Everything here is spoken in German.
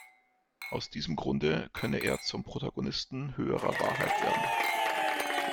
Aus diesem Grunde könne er zum Protagonisten höherer Wahrheit werden.